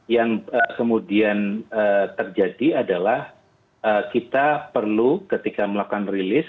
yang kemudian terjadi adalah kita perlu ketika melakukan rilis